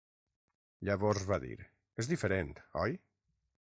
Llavors va dir: "És diferent, oi?"